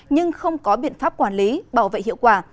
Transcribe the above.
nhưng không có biện pháp quản lý bảo vệ hiệu quả